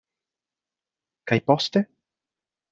Kaj poste?